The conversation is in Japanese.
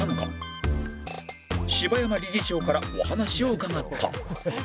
柴山理事長からお話を伺った